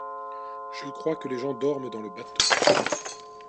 Je crois que les gens dorment dans le bateau.